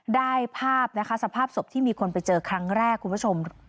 ได้ภาพนะคะสภาพศพที่มีคนไปเจอครั้งแรกคุณผู้ชม